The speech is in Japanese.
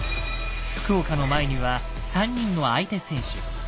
福岡の前には３人の相手選手。